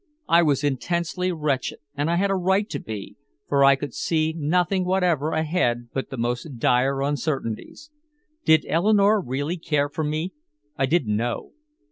I was intensely wretched and I had a right to be, for I could see nothing whatever ahead but the most dire uncertainties. Did Eleanore really care for me? I didn't know.